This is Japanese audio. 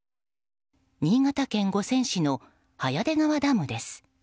新潟県五泉市の早出川ダムです。